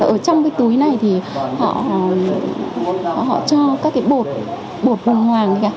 ở trong cái túi này thì họ cho các cái bột bột bùng hoàng